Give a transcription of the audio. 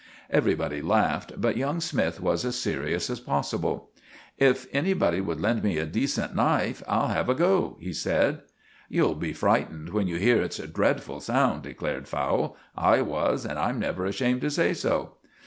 Everybody laughed, but young Smythe was as serious as possible. "If anybody would lend me a decent knife, I'd have a go," he said. "You'll be frightened when you hear its dreadful sound," declared Fowle. "I was, and I'm never ashamed to say so."